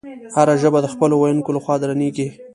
هره ژبه د خپلو ویونکو له خوا درنیږي.